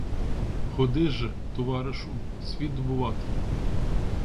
Ходи ж, товаришу, світ добувати.